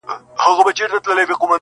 تاسي له خدایه سره څه وکړل کیسه څنګه سوه,